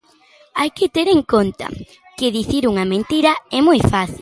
Hai que ter en conta que dicir unha mentira é moi fácil.